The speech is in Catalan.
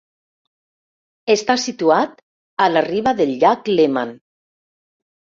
Està situat a la riba del Llac Léman.